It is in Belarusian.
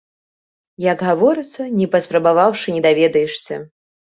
Як гаворыцца, не паспрабаваўшы, не даведаешся.